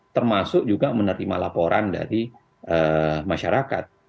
termasuk juga menerima laporan dari masyarakat